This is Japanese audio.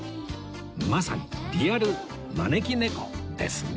まさにリアル招き猫ですね